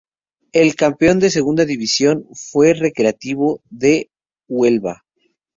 El campeón de Segunda División fue el Recreativo de Huelva.